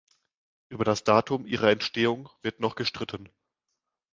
Über das Datum ihrer Entstehung wird noch gestritten.